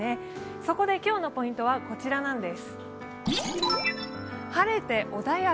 そこで今日のポイントはこちらなんです。